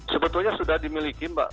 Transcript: sebetulnya sudah dimiliki mbak